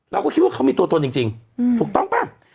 เราก็คิดว่าเขามีตัวตนจริงถูกต้องป่ะ